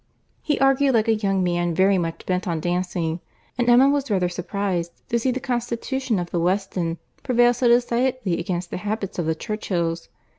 He argued like a young man very much bent on dancing; and Emma was rather surprized to see the constitution of the Weston prevail so decidedly against the habits of the Churchills.